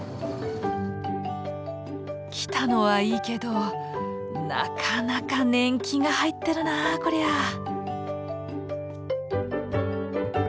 来たのはいいけどなかなか年季が入ってるなこりゃ。